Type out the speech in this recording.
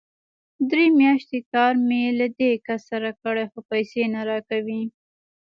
درې مياشتې کار مې له دې کس سره کړی، خو پيسې نه راکوي!